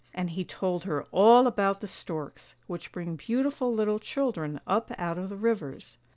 And he told her all about the storks, which bring beautiful little children up out of the rivers.